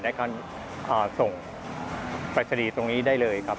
ในการส่งปรัสดีตรงนี้ได้เลยครับ